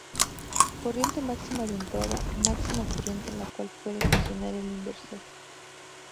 Corriente máxima de entrada: máxima corriente a la cual puede funcionar el inversor.